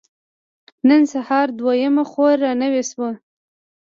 نن سهار دويمه خور را نوې شوه.